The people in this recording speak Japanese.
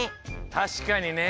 たしかにね。